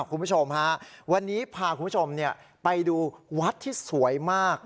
คุณผู้ชมฮะวันนี้พาคุณผู้ชมไปดูวัดที่สวยมาก